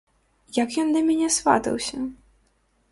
Як ён да мяне сватаўся?